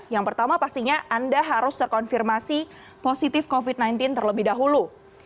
yang pertama pastinya anda harus terkonfirmasi positif covid sembilan belas terlebih dahulu